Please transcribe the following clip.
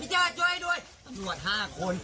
หนัว๕คน